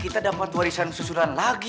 kita dapat warisan susulan lagi